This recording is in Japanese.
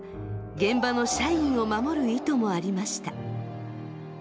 現場の社員を守る意図もありました。